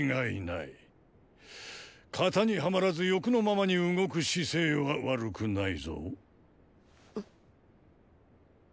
“型”にはまらず“欲”のままに動く姿勢は悪くないぞ。